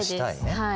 はい。